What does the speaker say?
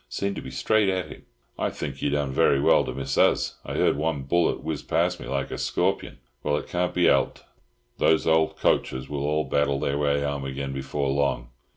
Seemed to be straight at him." "I think you done very well to miss us! I heard one bullet whiz past me like a scorpyun. Well, it can't be helped. Those old coachers will all battle their way home again before long.